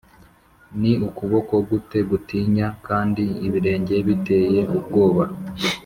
ni ukuboko gute gutinya? kandi ibirenge biteye ubwoba?